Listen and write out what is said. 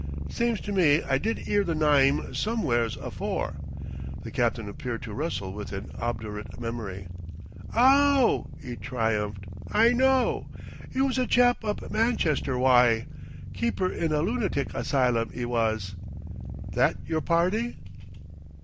"Seems to me I did 'ear the nyme sumw'eres afore." The captain appeared to wrestle with an obdurate memory. "Ow!" he triumphed. "I know. 'E was a chap up Manchester wye. Keeper in a loonatic asylum, 'e was. 'That yer party?"